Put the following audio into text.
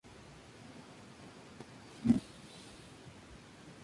Cuando jugaba por parejas jugaba como zaguero.